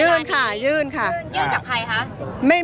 ค่ะยื่นค่ะยื่นกับใครคะ